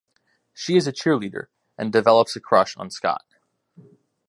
She is a cheerleader and develops a crush on Scott.